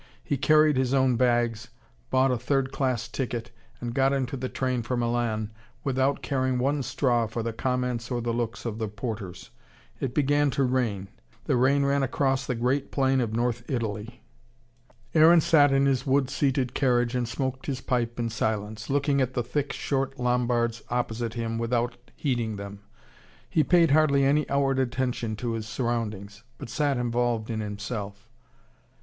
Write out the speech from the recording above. He carried his own bags, bought a third class ticket, and got into the train for Milan without caring one straw for the comments or the looks of the porters. It began to rain. The rain ran across the great plain of north Italy. Aaron sat in his wood seated carriage and smoked his pipe in silence, looking at the thick, short Lombards opposite him without heeding them. He paid hardly any outward attention to his surroundings, but sat involved in himself.